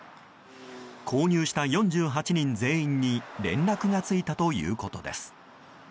購入した４８人全員に連絡がついたということです。